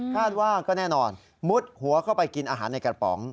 คาดว่าก็แน่นอนมุดหัวเข้าไปกินอาหารในกระป๋อง